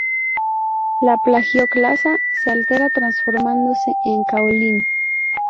La plagioclasa se altera transformándose en caolín.